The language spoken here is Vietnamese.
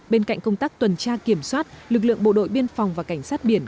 bên cạnh công tác tuần tra kiểm soát lực lượng bộ đội biên phòng và cảnh sát biển